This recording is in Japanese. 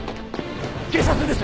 警察です！